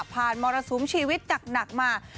ผ่านมรสมชีวิตหนักมา